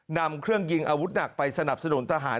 นำเครื่องยิงอาวุธหนักไปสนับสนุนทหาร